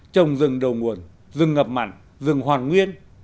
trồng rừng đầu nguồn rừng ngập mặn rừng hoàn nguyên